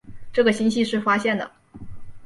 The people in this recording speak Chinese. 这个星系是发现的。